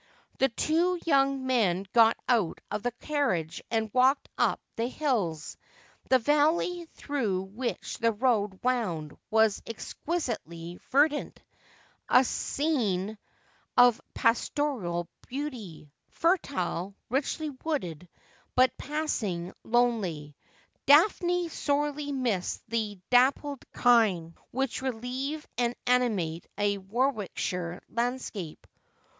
The two young men got out of the carriage and walked up the hills ; the valley through which the road wound was exquisitely verdant — a scene of pastoral beauty, fertile, richly wooded, but passing lonely. Daphne sorely missed the dappled kine which relieve and ani mate a Warwickshire landscape.